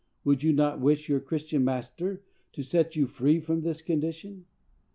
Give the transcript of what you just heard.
Would you not wish your Christian master to set you free from this condition?"